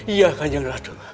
iya kandeng ratu